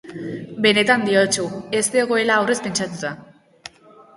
Benetan diotsut ez zegoela aurrez pentsatuta.